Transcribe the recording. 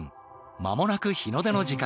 間もなく日の出の時間。